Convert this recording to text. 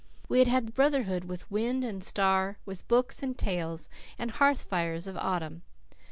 We had had brotherhood with wind and star, with books and tales, and hearth fires of autumn.